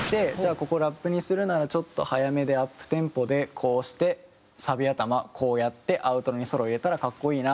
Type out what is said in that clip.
ここラップにするならちょっと早めでアップテンポでこうしてサビ頭こうやってアウトロにソロ入れたら格好いいな。